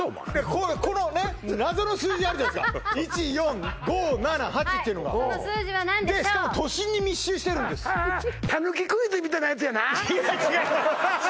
このこのね謎の数字あるじゃないですか１４５７８ってのがはいその数字は何でしょうでしかも都心に密集してるんですははた抜きクイズみたいなやつやないや違います